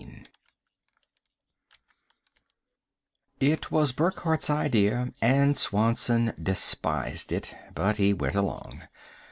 IV It was Burckhardt's idea and Swanson despised it, but he went along.